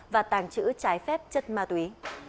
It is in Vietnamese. và tàng trữ trái phép chất ma túy